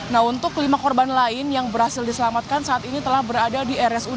nah untuk lima korban lain yang berhasil diselamatkan saat ini telah berada di rsud